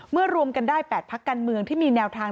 รวมกันได้๘พักการเมืองที่มีแนวทาง